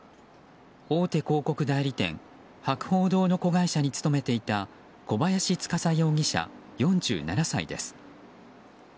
大手広告代理店博報堂の子会社に勤めていた小林司容疑者、４７歳です。